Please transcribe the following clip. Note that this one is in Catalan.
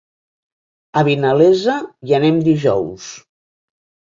A Vinalesa hi anem dijous.